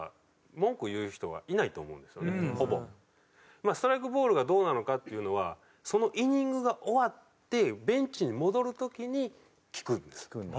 まあストライクボールがどうなのかっていうのはそのイニングが終わってベンチに戻る時に聞くんです。